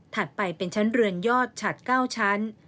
ไปเป็นชั้นเรือนยอดฉัด๙ชั้น